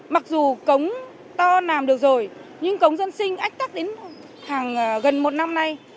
mặc dù cống to làm được rồi nhưng cống dân sinh ách tắc đến hàng gần một năm nay